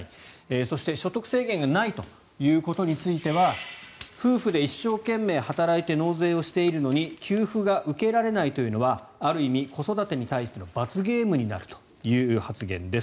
そして、所得制限がないということについては夫婦で一生懸命働いて納税をしているのに給付が受けられないというのはある意味、子育てに対しての罰ゲームになるという発言です。